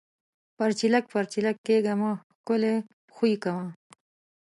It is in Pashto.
پَرچېلک پَرچېلک کېږه مه! ښکلے خوئې کوه۔